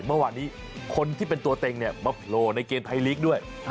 เมื่อวานนี้คนที่เป็นตัวเต็งมาโปรในเกณฑ์ไทยลีกด้วย